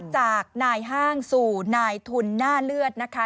จากนายห้างสู่นายทุนหน้าเลือดนะคะ